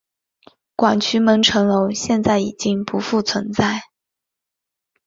广渠门城楼现在已经不复存在。